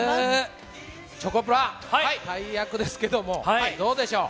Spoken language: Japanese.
チョコプラ、大役ですけども、どうでしょう。